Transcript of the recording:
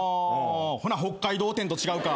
ほな北海道展と違うか。